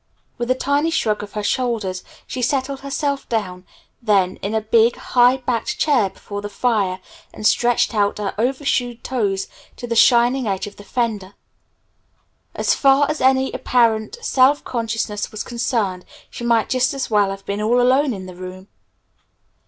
With a tiny shrug of her shoulders, she settled herself down then in a big, high backed chair before the fire and stretched out her overshoed toes to the shining edge of the fender. As far as any apparent self consciousness was concerned, she might just as well have been all alone in the room.